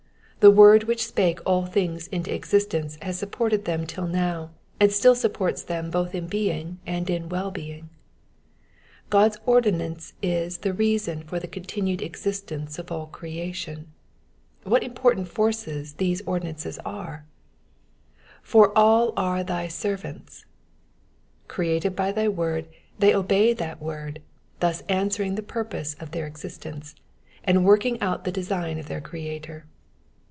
The word which spake all thio^ into existence has supported them till now, and sdll supports them both m being and in well being. God's ordinance is the reason for the continued existence of creation. What important forces these ordinances are I ^^For aU are thy eervante.^^ Created by tby word they obey that word, thus answering the purpose of their existence, and working out the design of their Creator.